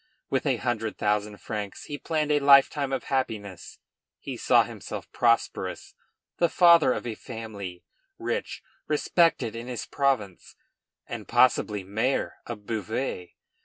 With a hundred thousand francs he planned a lifetime of happiness; he saw himself prosperous, the father of a family, rich, respected in his province, and, possibly, mayor of Beauvais.